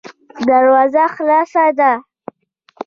دروازه خلاصه ده.